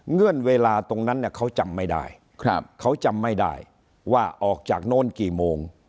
เงื่อนเวลาตรงนั้นเขาจำไม่ได้เขาจำไม่ได้ว่าออกจากโน้นกี่โมง